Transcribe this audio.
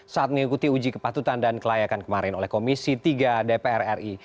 saat mengikuti uji kepatutan dan kelayakan kemarin oleh komisi tiga dpr ri